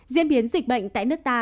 diễn biến dịch bệnh tại nước ta